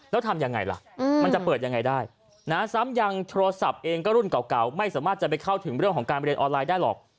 แล้วทำยังไงล่ะมันจะเปิดยังไงได้นะซ้ำยังโทรศัพท์เองก็รุ่นเก่าไม่สามารถจะไปเข้าถึงเรื่องของการเรียนออนไลน์ได้หรอก